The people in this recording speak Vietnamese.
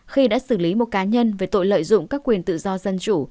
khi đã xử lý một cá nhân về tội lợi dụng các quyền tự do dân chủ